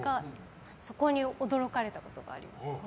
そこに驚かれたことがあります。